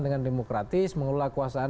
dengan demokratis mengelola kuasaan